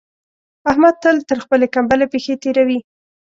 احمد تل تر خپلې کمبلې پښې تېروي.